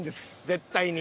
絶対に。